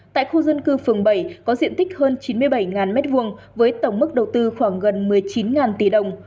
tại khu dân cư phường bảy có diện tích hơn chín mươi bảy m hai với tổng mức đầu tư khoảng gần một mươi chín tỷ đồng